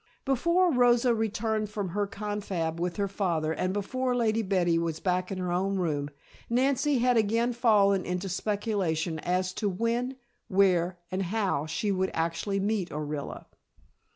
Before Rosa returned from her confab with her father and before Lady Betty was back in her own room, Nancy had again fallen into speculation as to when, where and how she would actually meet Orilla.